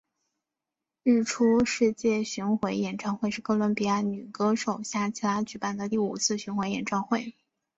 日出世界巡回演唱会是哥伦比亚女歌手夏奇拉举办的第五次巡回演唱会。